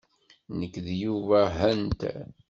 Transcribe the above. Nekk d Yuba Hunter.